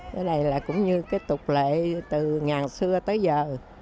cái này là cũng như cái tục lệ từ ngàn xưa tới giờ